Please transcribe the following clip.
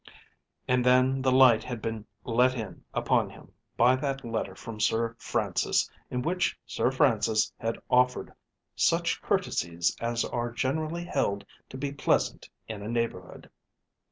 And then the light had been let in upon him by that letter from Sir Francis, in which Sir Francis had offered "such courtesies as are generally held to be pleasant in a neighbourhood!"